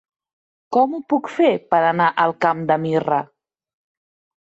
Com ho puc fer per anar al Camp de Mirra?